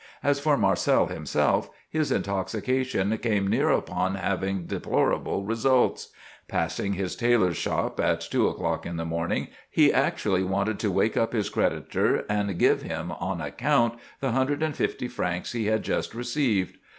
As for Marcel himself, his intoxication came near upon having deplorable results. Passing his tailor's shop, at two o'clock in the morning, he actually wanted to wake up his creditor, and give him on account the hundred and fifty francs he had just received.